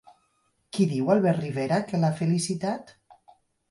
Qui diu Albert Rivera que l'ha felicitat?